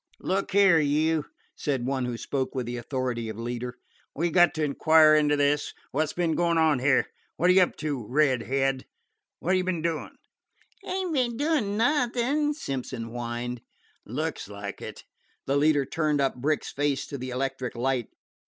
"Look here, you," said one who spoke with the authority of leader, "we 've got to inquire into this. Wot 's be'n goin' on here? Wot 're you up to, Red head? Wot you be'n doin'?" "Ain't be'n doin' nothin'," Simpson whined. "Looks like it." The leader turned up Brick's face to the electric light.